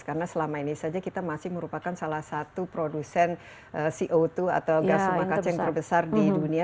karena selama ini saja kita masih merupakan salah satu produsen co dua atau gas makasih yang terbesar di dunia